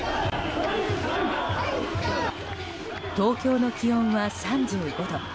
東京の気温は３５度。